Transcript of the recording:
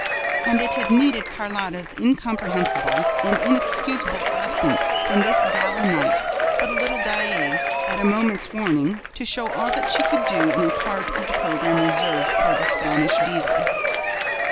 And it had needed Carlotta's incomprehensible and inexcusable absence from this gala night for the little Daae, at a moment's warning, to show all that she could do in a part of the program reserved for the Spanish diva!